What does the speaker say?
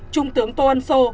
trung tướng tô ân xô